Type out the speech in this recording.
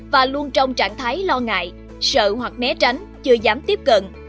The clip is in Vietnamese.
và luôn trong trạng thái lo ngại sợ hoặc né tránh chưa dám tiếp cận